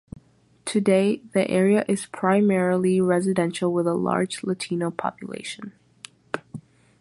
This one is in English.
Today, the area is primarily residential with a large Latino population.